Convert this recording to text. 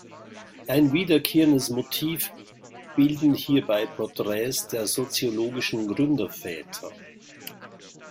Ein wiederkehrendes Motiv bilden hierbei Porträts der soziologischen Gründerväter.